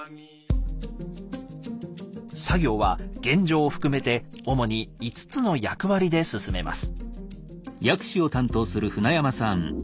作業は玄奘を含めて主に５つの役割で進めます。